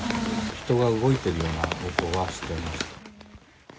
人が動いてるような音はしてました。